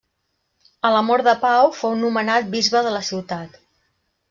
A la mort de Pau fou nomenat bisbe de la ciutat.